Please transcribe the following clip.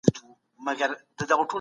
د تجربو په لړ کې نوي حقایق موندل کېږي.